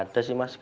nggak ada sih mas